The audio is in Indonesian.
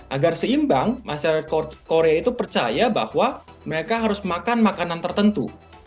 agar seimbang masyarakat korea itu percaya bahwa mereka harus makan makanan tertentu